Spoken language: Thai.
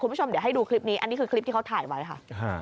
คุณผู้ชมเดี๋ยวให้ดูคลิปนี้อันนี้คือคลิปที่เขาถ่ายไว้ค่ะ